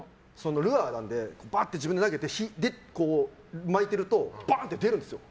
ルアーなのでバッと自分で投げて巻いているとバッて出るんですよ。